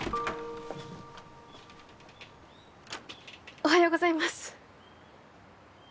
おはようございます。